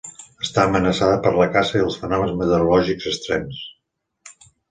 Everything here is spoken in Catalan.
Està amenaçada per la caça i els fenòmens meteorològics extrems.